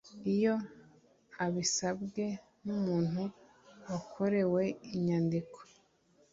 iyo abisabwe n umuntu wakorewe inyandiko